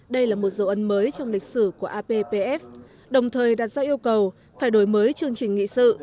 đây là một dấu ân mới trong lịch sử của appf đồng thời đặt ra yêu cầu phải đổi mới chương trình nghị sự